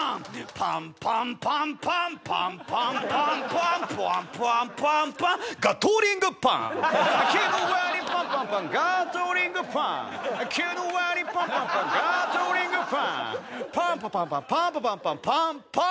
「パンパパンパンパンパパンパンパンパン」